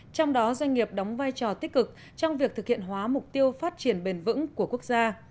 trong đó doanh nghiệp đóng vai trò tích cực trong việc thực hiện hóa mục tiêu phát triển bền vững của quốc gia